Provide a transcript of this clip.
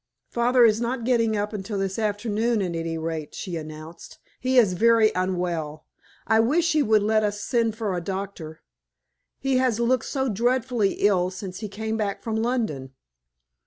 "Father is not getting up until this afternoon, at any rate," she announced. "He is very unwell. I wish he would let us send for a doctor. He has looked so dreadfully ill since he came back from London."